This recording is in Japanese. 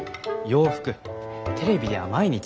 洋服テレビでは毎日。